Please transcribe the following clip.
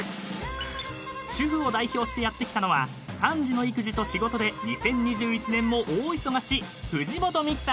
［主婦を代表してやって来たのは３児の育児と仕事で２０２１年も大忙し］